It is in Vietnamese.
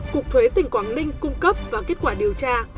cục thuế tỉnh quảng ninh cung cấp và kết quả điều tra